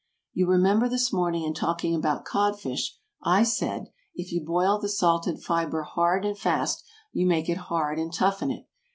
You remember this morning in talking about codfish I said, if you boil the salted fibre hard and fast, you make it hard and toughen it.